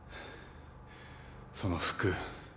その服。